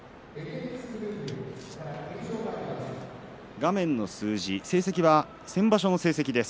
画面の成績は先場所の成績です。